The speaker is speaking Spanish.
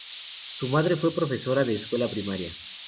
Su madre fue profesora de escuela primaria.